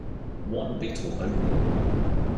One beetle only.